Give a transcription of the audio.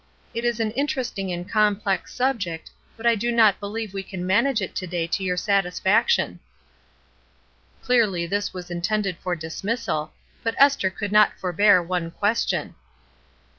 It is an in teresting and complex subject, but I do not believe we can manage it to day to your satis faction. '* Clearly this was intended for dismissal, but Esther could not forbear one question.